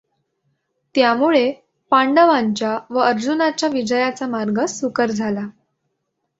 त्यामुळे पांडवांच्या व अर्जुनाच्या विजयाचा मार्ग सुकर झाला.